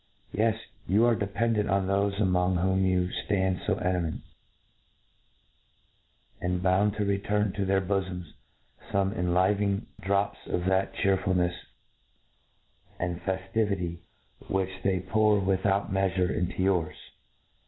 Yes, you are dependent on thofe among whom you ftand fo ciuinept, and bound to return to their bofoms fome enlivening drops of that chearful^ nefs and feftivity which they pour without mea*^ jure into yours.